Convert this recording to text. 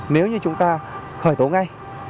nếu như chúng ta khởi tố ngay